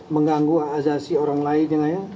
mengganggu aksasi orang lain